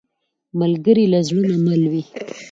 ملګری له زړه نه مل وي